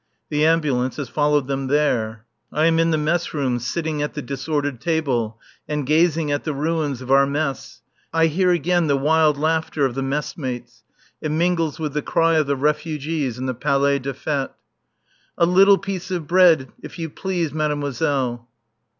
The Ambulance has followed them there. I am in the mess room, sitting at the disordered table and gazing at the ruins of our mess. I hear again the wild laughter of the mess mates; it mingles with the cry of the refugees in the Palais des Fêtes: "_Une petite tranche de pain, s'il vous plaît, mademoiselle!